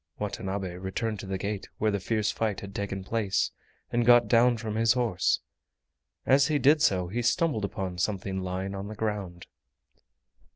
Watanabe returned to the gate where the fierce fight had taken place, and got down from his horse. As he did so he stumbled upon something lying on the ground.